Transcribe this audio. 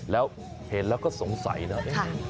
แล้วเห็นแล้วก็สงสัยนะ